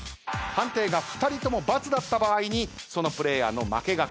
判定が２人ともバツだった場合そのプレーヤーの負けが確定。